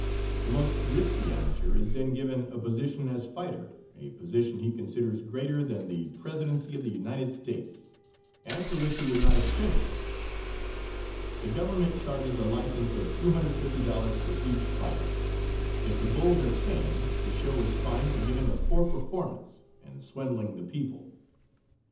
The most risky amateur is then given a position as fighter, a position he considers greater than the presidency of the United States, and for which he would not exchange. The government charges a license of $250 for each fight. If the bulls are tame the show is fined for giving a poor performance and swindling the people.